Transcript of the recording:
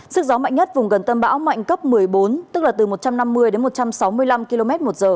sức gió mạnh nhất vùng gần tâm bão mạnh cấp một mươi bốn tức là từ một trăm năm mươi đến một trăm sáu mươi năm km một giờ